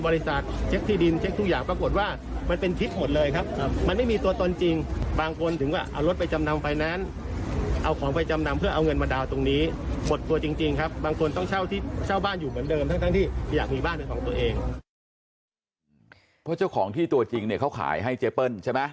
เพราะเจ้าของที่ตัวจริงเนี่ยเขาขายให้เจเปิ้ลใช่ไหม